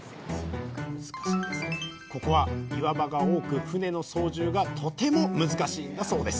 ここは岩場が多く船の操縦がとても難しいんだそうです